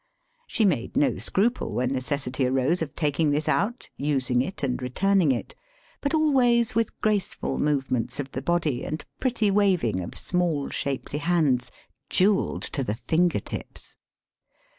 She made no scruple when necessity arose of taking this out, using it, and returning it ; but always with graceful move ments of the body and pretty waving of small, shapely hands, jewelled to the finger tips.